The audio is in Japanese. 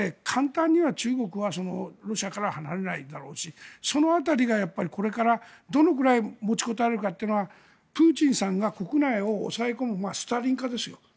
簡単には中国はロシアからは離れないだろうしその辺りがこれからどのくらい持ちこたえられるかというのはプーチンさんが国内を抑え込むスターリン化ですよ。